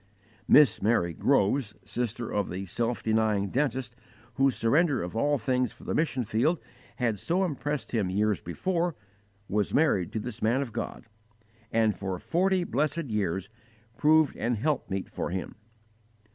Miss Mary Groves, sister of the self denying dentist whose surrender of all things for the mission field had so impressed him years before, was married to this man of God, and for forty blessed years proved an help meet for him.